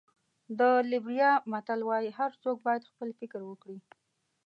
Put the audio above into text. د لېبریا متل وایي هر څوک باید خپل فکر وکړي.